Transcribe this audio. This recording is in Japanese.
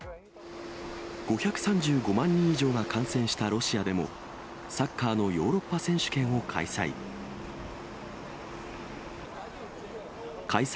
５３５万人以上が感染したロシアでも、サッカーのヨーロッパ選手権を開催。